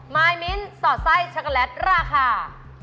มายมิ้นสอดไส้ช็อกโกแลตราคา